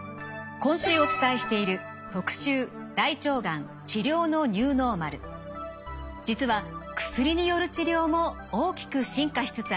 今週お伝えしている実は薬による治療も大きく進化しつつあります。